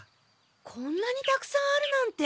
こんなにたくさんあるなんて。